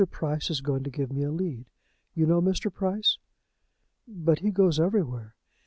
Price is going to give me a lead. You know Mr. Price?" "But he goes everywhere."